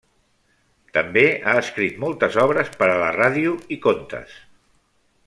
També ha escrit moltes obres per a la ràdio i contes.